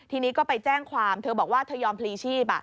ทีนี้ก็ไปแจ้งความเธอบอกว่าเธอยอมพลีชีพ